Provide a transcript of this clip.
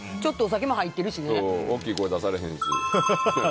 大きい声出されへんし。